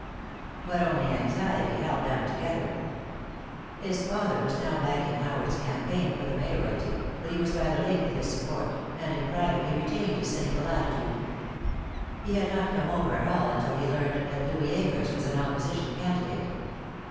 But only anxiety held them together. His father was now backing Howard's campaign for the mayoralty, but he was rather late with his support, and in private he retained his cynical attitude. He had not come over at all until he learned that Louis Akers was an opposition candidate.